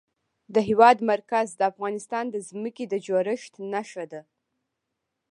د هېواد مرکز د افغانستان د ځمکې د جوړښت نښه ده.